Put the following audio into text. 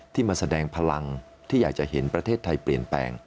มาแสดงพลังที่อยากจะเห็นประเทศไทยเปลี่ยนแปลง